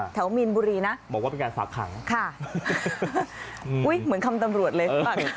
แถวมีนบุรีนะค่ะอุ๊ยเหมือนคำตำรวจเลย